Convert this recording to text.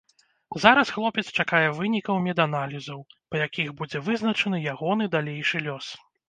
Зараз хлопец чакае вынікаў меданалізаў, па якіх будзе вызначаны ягоны далейшы лёс.